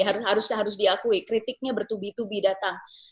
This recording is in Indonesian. harusnya harus diakui kritiknya bertubi tubi datang